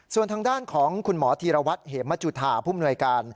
ส่วนทางด้านของคุณหมอธีรวัตรเหมจุธาผู้มนวยการ